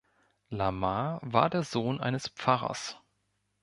Lamar war der Sohn eines Pfarrers.